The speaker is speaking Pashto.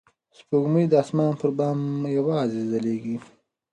سپوږمۍ د اسمان پر بام یوازې ځلېږي.